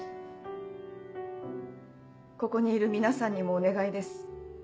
ここにいる皆さんにもお願いです。